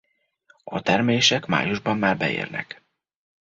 A termések májusban már beérnek.